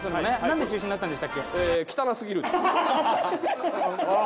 何で中止になったんでしたっけ？